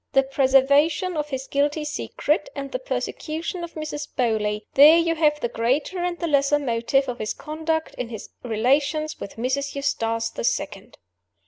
The preservation of his guilty secret, and the persecution of Mrs. Beauly: there you have the greater and the lesser motive of his conduct in his relations with Mrs. Eustace the second!"